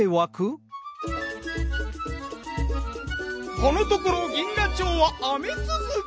このところ銀河町は雨つづき。